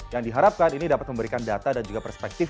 yang diharapkan ini dapat memberikan data dan juga perspektif